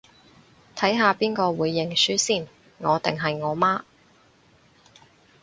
睇下邊個會認輸先，我定係我媽